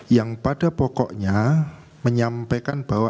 yang pada pokoknya menyampaikan bahwa